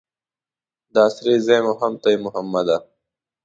د اسرې ځای مو هم ته یې محمده.